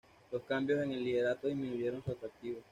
Los cambios en el liderato disminuyeron su atractivo.